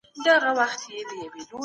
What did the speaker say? ولې احمد شاه ابدالي ته دراني ويل کيدل؟